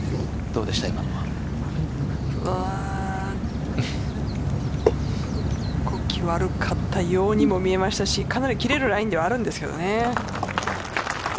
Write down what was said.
動き悪かったようにも見えましたしかなり切れるラインではあるんですけどね。